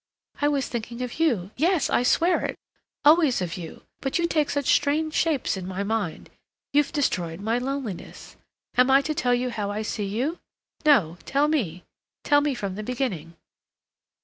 "I was thinking of you—yes, I swear it. Always of you, but you take such strange shapes in my mind. You've destroyed my loneliness. Am I to tell you how I see you? No, tell me—tell me from the beginning."